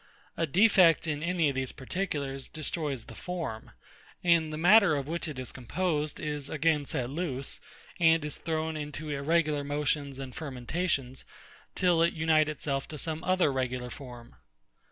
A defect in any of these particulars destroys the form; and the matter of which it is composed is again set loose, and is thrown into irregular motions and fermentations, till it unite itself to some other regular form.